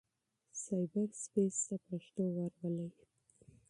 سايبر سپېس ته پښتو ورولئ.